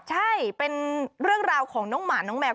ใช่เป็นเรื่องราวของน้องหมาน้องแมว